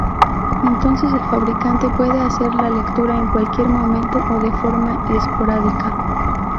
Entonces el fabricante puede hacer la lectura en cualquier momento o de forma esporádica.